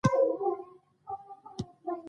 ژبه د کلتوري هویت محافظه ده.